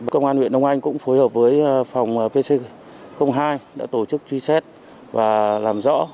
công an huyện đông anh cũng phối hợp với phòng pc hai đã tổ chức truy xét và làm rõ